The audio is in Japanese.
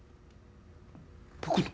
僕の？